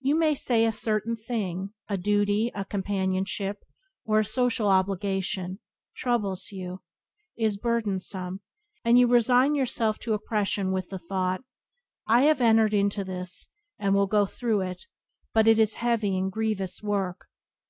You say a certain thing (a duty, a companionship, or a social obligation) troubles you, is burdensome, and you resign yourself to oppression with the thought: "I have entered into this, and will go through with it, but it is a heavy and grievous work."